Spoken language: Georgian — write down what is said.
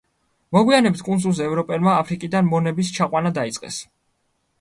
მოგვიანებით კუნძულზე ევროპელებმა აფრიკიდან მონების ჩაყვანა დაიწყეს.